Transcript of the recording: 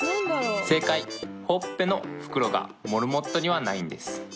正解ほっぺの袋がモルモットにはないんです